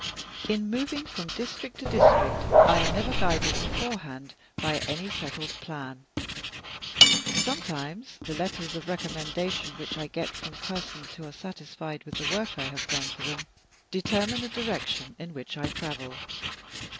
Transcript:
In moving from district to district, I am never guided beforehand by any settled plan. Sometimes the letters of recommendation which I get from persons who are satisfied with the work I have done for them determine the direction in which I travel.